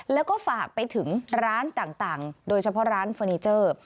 แล้วก็ฝากไปถึงร้านต่างโดยเฉพาะร้านเฟอร์นิเจอร์